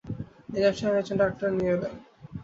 নিজাম সাহেব এক জন ডাক্তার নিয়ে এলেন।